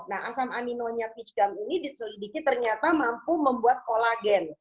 nah asam aminonya peach gum ini diselidiki ternyata mampu membuat kolagen